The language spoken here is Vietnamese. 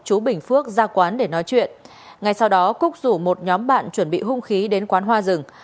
chú bình phước ra quán để nói chuyện ngay sau đó cúc rủ một nhóm bạn chuẩn bị hung khí đến quán hoa rừng